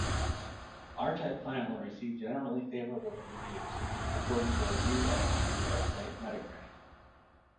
"R-Type Final" received "generally favorable" reviews, according to a review aggregator website Metacritic.